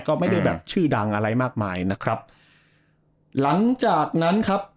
ก็ไม่ได้แบบชื่อดังอะไรมากมายนะครับหลังจากนั้นครับ